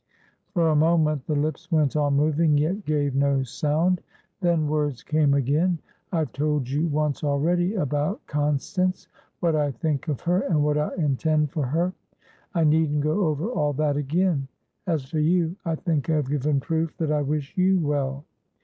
For a moment the lips went on moving, yet gave no sound; then words came again. "I've told you once already about Constance, what I think of her, and what I intend for her. I needn't go over all that again. As for you, I think I've given proof that I wish you well.